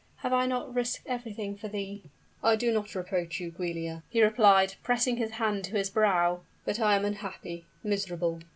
Have I not risked everything for thee?" "I do not reproach you, Giulia," he replied, pressing his hand to his brow, "but I am unhappy miserable!"